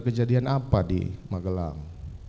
kejadian apa di magelang